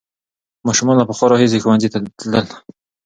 ماشومان له پخوا راهیسې ښوونځي ته تلل.